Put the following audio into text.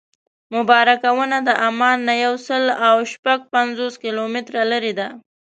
مبارکه ونه د عمان نه یو سل او شپږ پنځوس کیلومتره لرې ده.